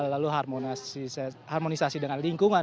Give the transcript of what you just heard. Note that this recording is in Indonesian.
lalu harmonisasi dengan lingkungan